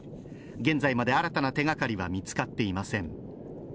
現在まで、新たな手がかりは見つかっていません。